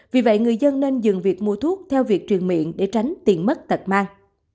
vì vậy người dân nên dừng việc mua thuốc theo việc truyền miệng để tránh tiền mất tật mang